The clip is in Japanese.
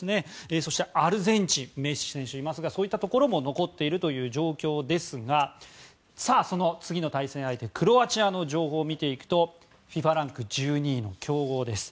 そして、アルゼンチンメッシ選手がいますがそういったところも残っているという状況ですがその次の対戦相手クロアチアの情報を見ていくと、ＦＩＦＡランク１２位の強豪です。